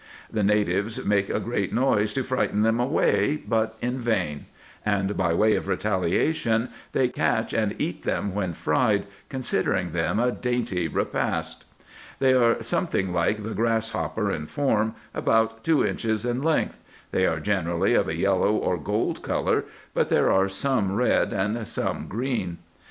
The natives make a great noise to frighten them away, but in vain; and, by way of retaliation, they catch and eat them when fried, considering them a dainty repast. They are something like the grasshopper in form, about two inches in length. They are generally of a yellow or gold colour, but there are some red and some green.